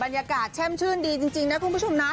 บรรยากาศแช่มชื่นดีจริงนะคุณผู้ชมนะ